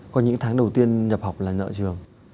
có những tháng đầu tiên nhập học là nợ trường